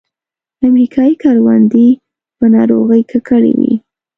امریکایي کروندې په ناروغیو ککړې وې.